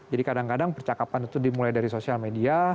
jadi kadang kadang percakapan itu dimulai dari sosial media